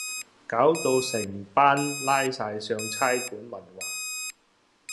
搞到成班拉晒上差館問話